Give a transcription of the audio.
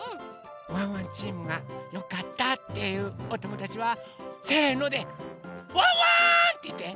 ワンワンチームがよかったっていうおともだちは「せの」で「ワンワン」っていって。